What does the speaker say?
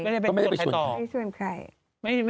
ไม่ได้ไปชวนใครต่อ